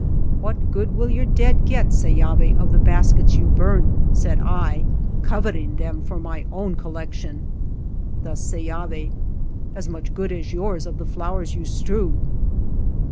" What good will your dead get, Seyavi, of the baskets you burn ?" said I, coveting them for my own collection. Thus Seyavi, " As much good as yours of the flowers you strew."